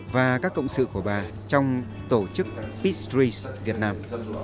và các cộng sự của bà trong tổ chức peace streets việt nam